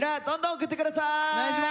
どんどん送って下さい！